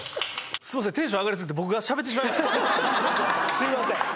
すいません。